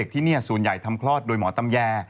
โอเคเดี๋ยวกลับมา